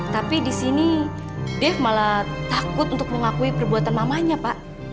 tapi di sini dev malah takut untuk mengakui perbuatan mamanya pak